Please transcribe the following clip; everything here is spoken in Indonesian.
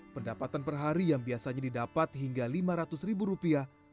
pendapatan per hari yang biasanya didapat hingga lima ratus ribu rupiah